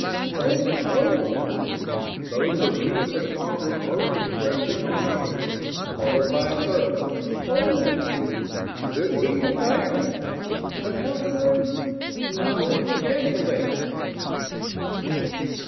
"Oh? Oh!" These were two of Sandra's most expressive monosyllables, followed by a third. "Oh. Could be, at that. But how could ... no, cancel that."